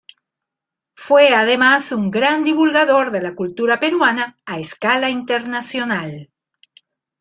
Fue además un gran divulgador de la cultura peruana a escala internacional.